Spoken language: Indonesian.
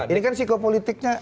ini kan psikopolitiknya